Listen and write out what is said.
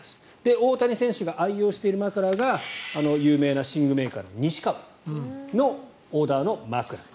大谷選手が愛用している枕があの有名な寝具メーカーの西川のオーダーまくら。